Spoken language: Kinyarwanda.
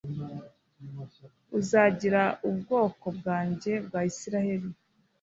Uzaragira ubwoko bwanjye bwa isirayeli